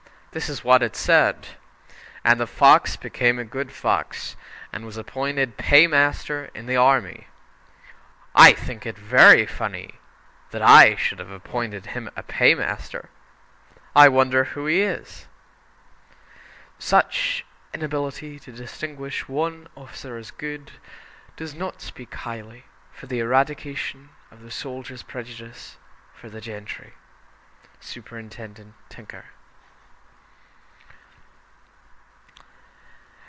This is what it said: "'And the fox became a good fox, and was appointed paymaster in the army.' I think it very funny that I should have appointed him a paymaster. I wonder who he is?" Such inability to distinguish one officer as "good" does not speak highly for the eradication of the soldiers' prejudice for the gentry. (Superintendent Tinker.)